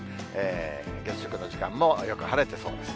月食の時間もよく晴れてそうです。